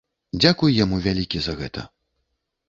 Дзякуй яму вялікі за гэта.